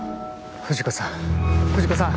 藤子さん藤子さん。